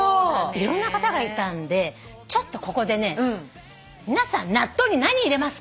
いろんな方がいたんでちょっとここでね皆さん納豆に何入れますかって。